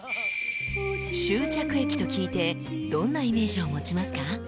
［終着駅と聞いてどんなイメージを持ちますか？］